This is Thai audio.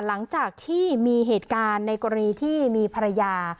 หลังจากที่มีเหตุการณ์ในกรณีที่มีภรรยา